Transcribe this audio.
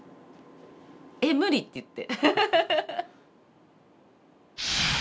「えっ無理！」って言って。